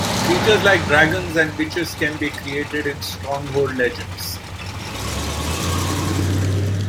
Creatures like dragons and witches can be created in Stronghold Legends.